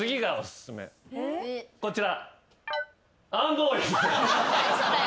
こちら。